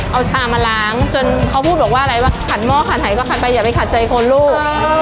เอาชามาล้างจนเขาพูดบอกว่าอะไรว่าขัดหม้อขัดหายก็ขัดไปอย่าไปขัดใจคนลูก